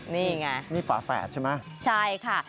นี่ไงนี่ฝาแฝดใช่ไหมใช่ค่ะ